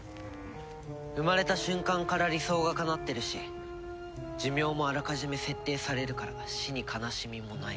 生まれた瞬間から理想がかなってるし寿命もあらかじめ設定されるから死に悲しみもない。